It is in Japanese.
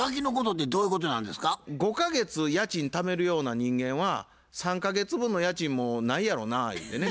５か月家賃ためるような人間は３か月分の家賃もないやろうなゆうてね。